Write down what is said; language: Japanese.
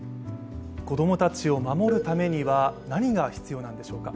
子供たちを守るためには何が必要なんでしょうか。